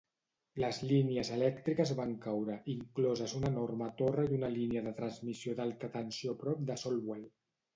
Les línies elèctriques van caure, incloses una enorme torre i una línia de transmissió d'alta tensió a prop de Saltwell.